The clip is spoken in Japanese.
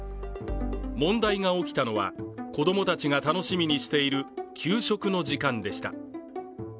問題が起きたのは、子供たちが楽しみにしている、給食の時間でした。